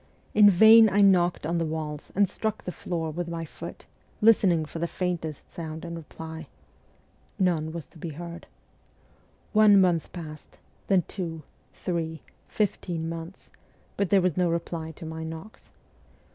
In vain I knocked on the walls and struck the floor with my foot, listening for the faintest sound in reply. None was to be heard. One month passed, then two, three, fifteen months, but there was 110 reply to my knocks.